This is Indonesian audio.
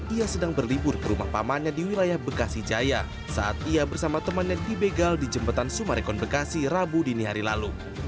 ia sedang berlibur ke rumah pamannya di wilayah bekasi jaya saat ia bersama temannya di begal di jembatan sumarekon bekasi rabu dini hari lalu